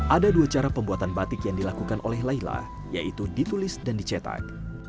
ada dua cara pembuatan batik yang dilakukan oleh laila yaitu ditulis dan dicetak